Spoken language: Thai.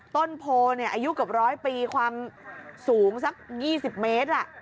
ต้นโพลอ่ะเนี่ยอายุเกือบร้อยปีความสูงสัก๒๐เมตรอ่ะ